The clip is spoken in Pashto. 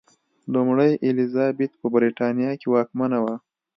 لومړۍ الیزابت په برېټانیا کې واکمنه وه.